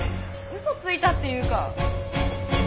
嘘ついたっていうか。